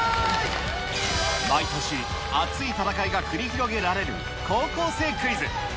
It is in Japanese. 毎年、熱い戦いが繰り広げられる高校生クイズ。